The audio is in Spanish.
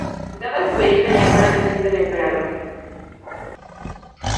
Dada su belleza, llamó la atención del emperador.